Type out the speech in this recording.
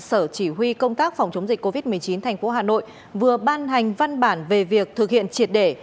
sở chỉ huy công tác phòng chống dịch covid một mươi chín thành phố hà nội vừa ban hành văn bản về việc thực hiện triệt để